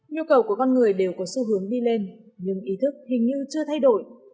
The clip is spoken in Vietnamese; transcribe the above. nhu cầu của con người đều có xu hướng đi lên nhưng ý thức hình như chưa thay đổi